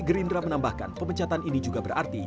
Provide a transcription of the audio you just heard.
gerindra menambahkan pemecatan ini juga berarti